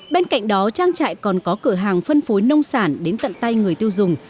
bên cạnh đó trang trại còn có cửa hàng phân phối nông sản đến tận tay người tiêu dùng